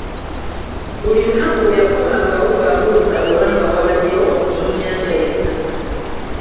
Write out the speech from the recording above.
Buli lunaku bwe yakomangawo ng'abuuza obanga wabbaddewo omulunnyanja yenna.